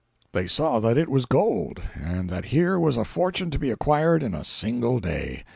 They saw that it was gold, and that here was a fortune to be acquired in a single day.